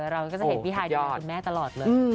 เราก็จะเห็นพี่ฮายดูแลคุณแม่ตลอดเลย